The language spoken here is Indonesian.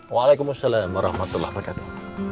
wa'alaikumussalam warahmatullah wabarakatuh